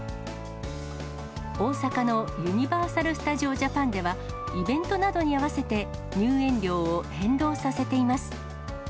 大阪のユニバーサル・スタジオ・ジャパンでは、イベントなどに合わせて、入園料を変動させています。